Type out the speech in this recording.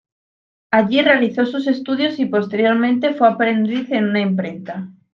Allí realizó sus estudios y posteriormente fue aprendiz en una imprenta.